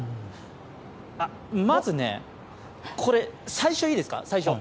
まずね、これ、最初いいですか？